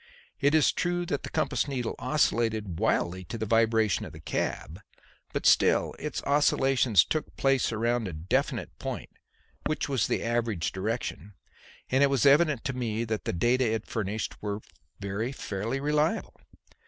It is true that the compass needle oscillated wildly to the vibration of the cab, but still its oscillations took place around a definite point which was the average direction, and it was evident to me that the data it furnished were very fairly reliable.